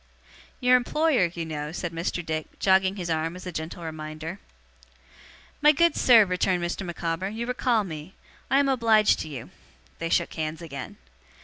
'Your employer, you know,' said Mr. Dick, jogging his arm as a gentle reminder. 'My good sir,' returned Mr. Micawber, 'you recall me, I am obliged to you.' They shook hands again.